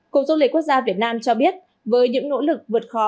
cục du lịch quốc gia việt nam cho biết với những nỗ lực vượt khó